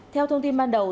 theo thông tin ban đầu